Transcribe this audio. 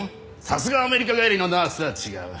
さすがアメリカ帰りのナースは違う。